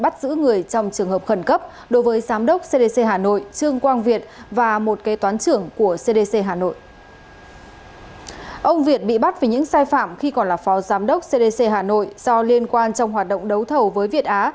trong những sai phạm khi còn là phó giám đốc cdc hà nội do liên quan trong hoạt động đấu thầu với việt á